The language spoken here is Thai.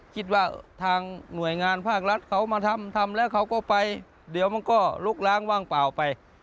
คิดว่าทางหน่วยงานภาครัฐเขามาทำทำแล้วเขาก็ไปเดี๋ยวมันก็ลุกล้างว่างเปล่าไป